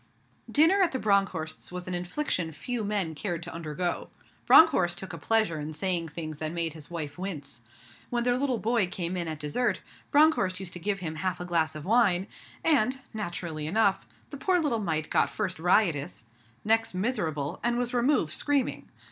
Dinner at the Bronckhorsts' was an infliction few men cared to undergo. Bronckhorst took a pleasure in saying things that made his wife wince. When their little boy came in at dessert Bronckhorst used to give him half a glass of wine, and, naturally enough, the poor little mite got first riotous, next miserable, and was removed screaming.